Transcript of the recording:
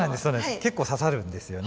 結構刺さるんですよね。